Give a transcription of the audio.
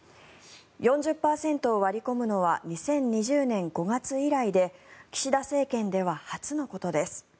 ４０％を割り込むのは２０２０年５月以来で岸田政権では初のことです。